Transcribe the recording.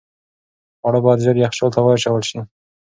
خواړه باید ژر یخچال ته واچول شي.